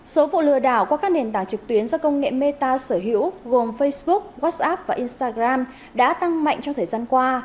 số vụ lừa đảo qua các nền tảng trực tuyến do công nghệ meta sở hữu gồm facebook whatsapp và instagram đã tăng mạnh trong thời gian qua